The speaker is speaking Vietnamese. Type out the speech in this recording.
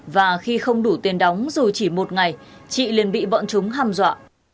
và khi không đủ tiền đóng dù chỉ một ngày chị liền bị bọn chúng ham dọa